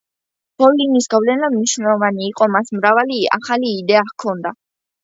ბოლინის გავლენა მნიშვნელოვანი იყო, მას მრავალი ახალი იდეა ჰქონდა.